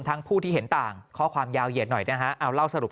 ผู้ที่เห็นต่างข้อความยาวเหยียดหน่อยนะฮะเอาเล่าสรุป